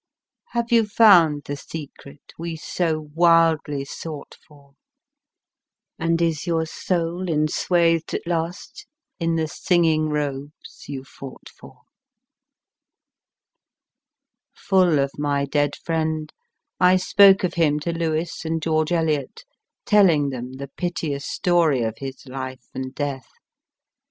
Have you found the secret We, so wildly, sought for, And is your soul enswath d at last in the singing robes you fought for ? Full of my dead friend, I spoke of him to Lewes and George Eliot, telling them the piteous story of his life and death.